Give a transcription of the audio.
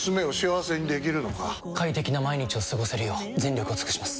快適な毎日を過ごせるよう全力を尽くします！